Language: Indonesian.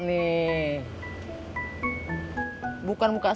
bisa keluar gak